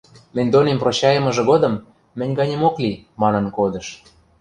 Мӹнь донем прощайымыжы годым: «Мӹнь ганемок ли», – манын кодыш...